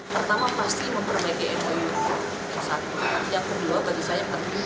pertama pasti memperbaiki mou yang satu yang kedua bagi saya penting